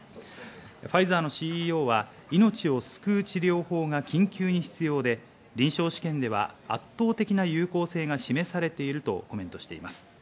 ファイザーのＣＥＯは命を救う治療法が緊急に必要で、臨床試験では圧倒的な有効性が示されているとコメントしています。